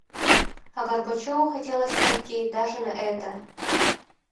А Горбачёву хотелось пойти даже на это.